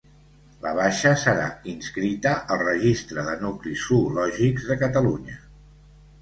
La baixa serà inscrita al Registre de nuclis zoològics de Catalunya.